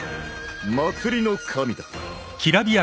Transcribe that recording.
祭りの神だ。